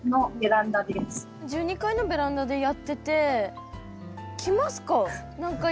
１２階のベランダでやってて来ますか？